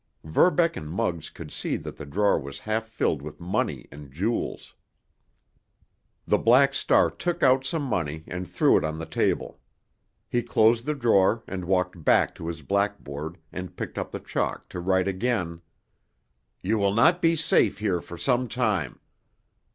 Verbeck and Muggs could see that the drawer was half filled with money and jewels. The Black Star took out some money and threw it on the table. He closed the drawer and walked back to his blackboard, and picked up the chalk to write again: "You will not be safe here for some time.